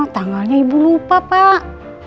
tanggalnya ibu lupa pak